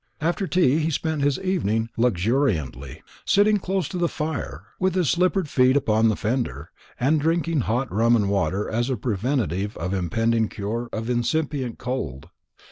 After tea he spent his evening luxuriantly, sitting close to the fire, with his slippered feet upon the fender, and drinking hot rum and water as a preventive of impending, or cure of incipient, cold.